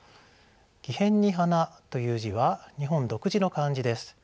木偏に花という字は日本独自の漢字です。